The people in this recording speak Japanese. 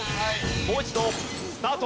もう一度スタート。